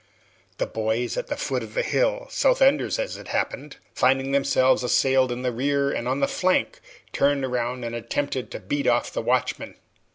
The boys at the foot of the hill, South Enders as it happened, finding themselves assailed in the rear and on the flank, turned round and attempted to beat off the watchmen.